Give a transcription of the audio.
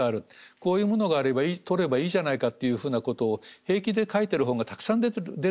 こういうものがあればとればいいじゃないかっていうふうなことを平気で書いてる本がたくさん出るわけですよ。